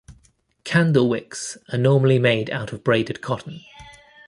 Candle wicks are normally made out of braided cotton.